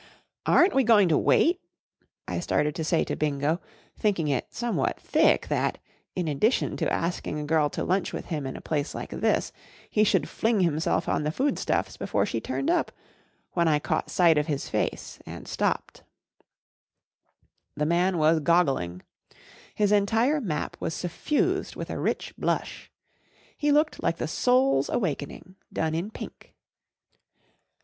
M Aren't we going to wait —?" I started to say to Bingo, thinking it somewhat thick that* in addition to asking a girl to lunch with him in a place like this, he should fling himself on the foods tuffs before she turned up, when 1 caught sight of his face, and stopped* The man was goggling* His entire map was suffused with a rich blush. He looked like the Soul s Awakening done in pink.